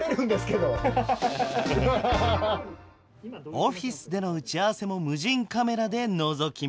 オフィスでの打ち合わせも無人カメラでのぞき見。